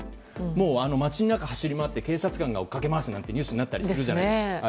もう街の中走り回って警察官が追い掛け回すことがニュースになったりするじゃないですか。